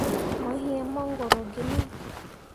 Mo yee mongoro gi me.